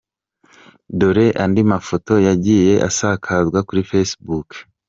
Dore andi mafoto yagiye asakazwa kur facebook :.